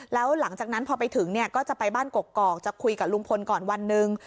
แล้วหลังจากนั้นพอไปถึงเนี่ยก็จะไปบ้านกกอกจะคุยกับลุงพลก่อนวันหนึ่ง